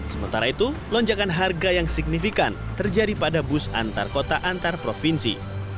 sementara itu lonjakan harga yang signifikan terjadi pada bus antar kota antar provinsi